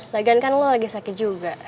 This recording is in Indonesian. lagan kan lo lagi sakit juga